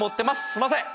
すんません。